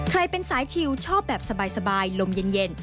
เป็นสายชิวชอบแบบสบายลมเย็น